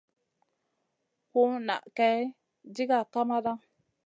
Ku nʼa Kay diga kamada.